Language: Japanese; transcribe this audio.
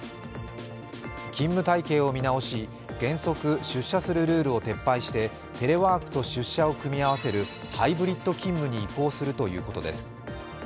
勤務体系を見直し、原則、出社するルールを撤廃してテラワークと出社を組み合わせるハイブリッド勤務に移行するということです。